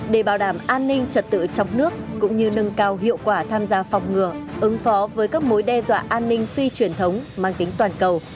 để bảo đảm an ninh trật tự trong nước cũng như nâng cao hiệu quả tham gia phòng ngừa ứng phó với các mối đe dọa an ninh phi truyền thống mang tính toàn cầu